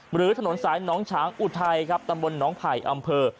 หรือถนนสายน้องฉางอุทัยครับตำบลน้องไผ่อำเภอ